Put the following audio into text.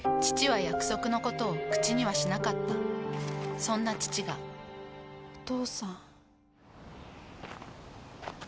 父は約束のことを口にはしなかったそんな父がお父さん。